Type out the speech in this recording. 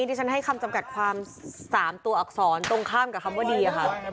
ที่ฉันให้คำจำกัดความ๓ตัวอักษรตรงข้ามกับคำว่าดีค่ะ